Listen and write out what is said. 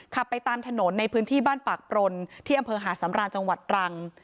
ไปตามถนนในพื้นที่บ้านปากปรนที่อำเภอหาดสำราญจังหวัดตรัง